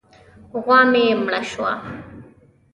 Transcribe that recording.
غوا مې مړه شوه.